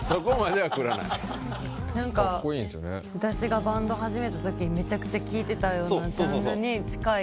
私がバンド始めたときめちゃくちゃ聴いてたようなジャンルに近い。